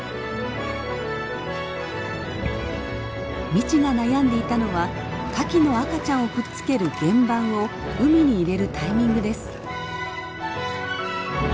未知が悩んでいたのはカキの赤ちゃんをくっつける原盤を海に入れるタイミングです。